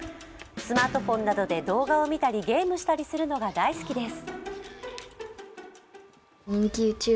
スマートフォンなどで動画を見たりゲームしたりするのが大好きです。